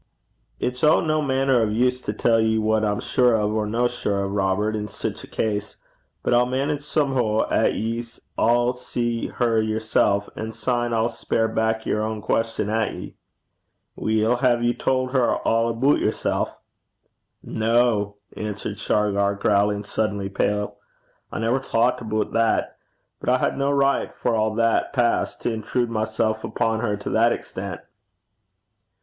'It's o' no mainner o' use to tell ye what I'm sure or no sure o', Robert, in sic a case. But I'll manage, somehoo, 'at ye sall see her yersel', an' syne I'll speir back yer ain queston at ye.' 'Weel, hae ye tauld her a' aboot yersel'?' 'No!' answered Shargar, growing suddenly pale. 'I never thocht aboot that. But I had no richt, for a' that passed, to intrude mysel' upo' her to that extent.'